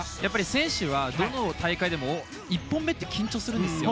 選手はどの大会でも１本目って緊張するんですよ。